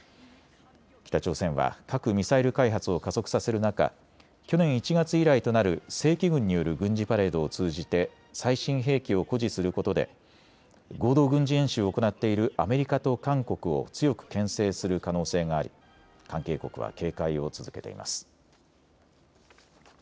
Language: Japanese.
北朝鮮は核・ミサイル開発を加速させる中、去年１月以来となる正規軍による軍事パレードを通じて最新兵器を誇示することで合同軍事演習を行っているアメリカと韓国を強くけん制する可能性があり関係国は警戒を続けています。